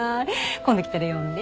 今度来たら呼んで。